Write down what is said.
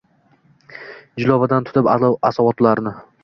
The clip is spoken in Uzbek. Jilovidan tutib asov otlarni